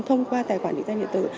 thông qua tài khoản định danh điện tử